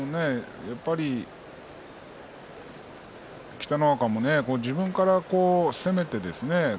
北の若も自分から攻めてですね